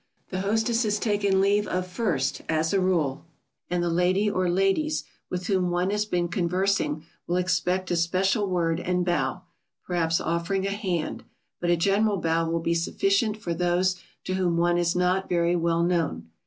The hostess is taken leave of first, as a rule, and the lady, or ladies, with whom one has been conversing will expect a special word and bow, perhaps offering a hand; but a general bow will be sufficient for those to whom one is not very well known.